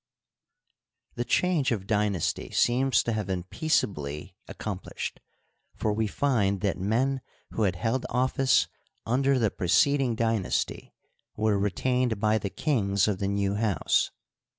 The change of dynasty seems to have been peaceably accomplished, for we find that men who had held office under the preceding dynasty were retained by the kings of the new house.